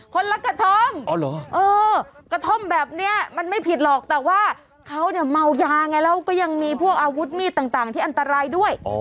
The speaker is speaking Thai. คนรักกระท่อมอ๋อเหรอเออกระท่อมแบบเนี้ยมันไม่ผิดหรอกแต่ว่าเขาเนี้ยเมายาไงแล้วก็ยังมีพวกอาวุธมีดต่างต่างที่อันตรายด้วยอ๋อ